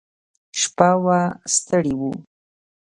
شپه وه ستړي وو.